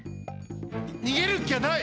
にげるっきゃない！